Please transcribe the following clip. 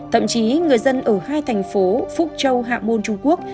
thậm chí người dân ở hai thành phố phúc châu hạ môn trung quốc